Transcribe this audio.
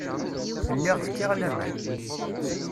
Lliɣ fkiɣ laman.